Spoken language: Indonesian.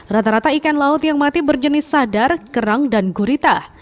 rata rata ikan laut yang mati berjenis sadar kerang dan gurita